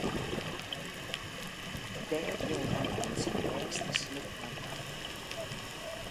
Dêr bliuwt hy oant syn lêste snik mei dwaande.